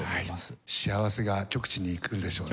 幸せが極致にいくんでしょうね。